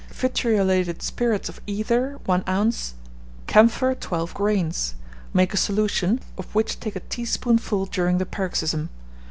Vitriolated spirits of ether 1 oz., camphor 12 grains: make a solution, of which take a teaspoonful during the paroxysm.